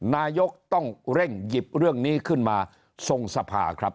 นายกต้องเร่งหยิบเรื่องนี้ขึ้นมาทรงสภาครับ